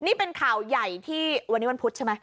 นี่เป็นข่าวใหญ่ที่วันนี้วันพุธใช่ไหม